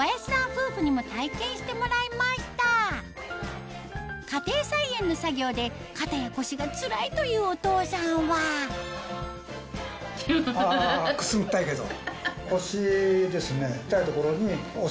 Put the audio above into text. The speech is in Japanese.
夫婦にも体験してもらいました家庭菜園の作業で肩や腰がつらいというお父さんはあくすぐったいけど。